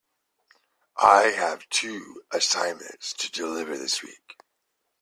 I have two assignments to deliver this week.